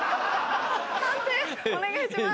判定お願いします。